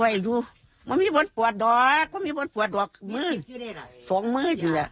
ไว้อยู่มันมีบนปวดดอกมันมีบนปวดดอกมื้อสองมื้อจริงอ่ะ